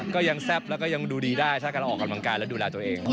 ก็ยังแซ่บแล้วก็ยังดูดีได้ถ้ากำลังออกกำลังกายและดูแลตัวเอง